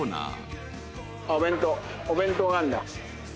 お弁当があるんだ。